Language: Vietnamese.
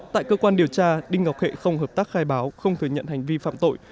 tại cơ quan điều tra đinh ngọc hệ không hợp tác khai báo không thừa nhận hành vi phạm tội